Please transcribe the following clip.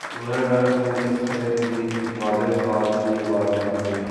سورۂ رعد میں اس سے بھی واضح الفاظ میں یہ بات بیان ہوئی ہے